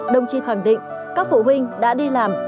đồng chí khẳng định các phụ huynh đã đi làm